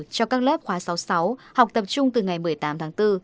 cho các lớp khóa sáu học tập trung từ ngày một mươi tám tháng bốn